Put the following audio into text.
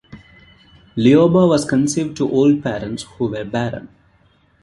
Leoba was conceived to old parents who were barren.